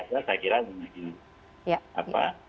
ini juga sesuatu yang luar biasa